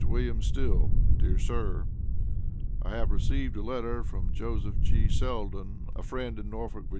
WILLIAM STILL: Dear Sir: I have received a letter from Joseph G. Selden a friend in Norfolk, Va.